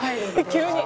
「急に。